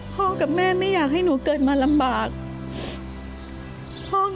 พ่อกับแม่ไม่อยากให้หนูเกิดมาลำบากพ่อกับแม่ขอโทษนะลูก